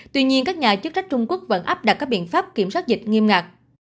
tuy nhiên các nhà chức trách trung quốc vẫn áp đặt các biện pháp kiểm soát dịch nghiêm ngặt